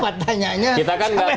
kebicaraan dibalik layar